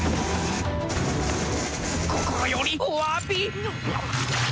心よりお詫び。